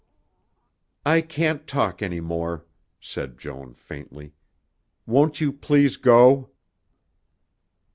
"I can't talk any more," said Joan faintly. "Won't you please go?"